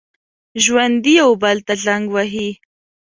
ژوندي یو بل ته زنګ وهي